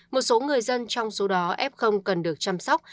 một số người dân trong số đó f cần được chăm sóc